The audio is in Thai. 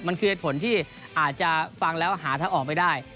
มันคือเหตุผลที่อาจจะฟังแล้วหาทางออกไม่ได้